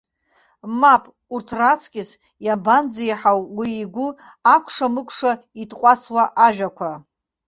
Мап, урҭ раҵкьыс иабанӡеиҳау уи игәы акәша-мыкәша итҟәацуа ажәақәа.